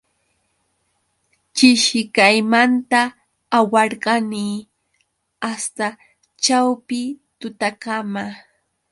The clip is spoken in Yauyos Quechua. Chishikaymanta awarqani asta ćhawpi tutakama.